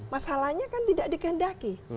masalahnya kan tidak digendaki